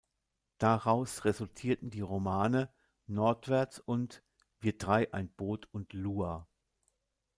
Daraus resultierten die Romane "Nordwärts" und "Wir drei, ein Boot und Lua".